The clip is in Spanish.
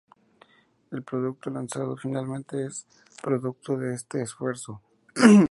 El producto lanzado finalmente es producto de ese esfuerzo.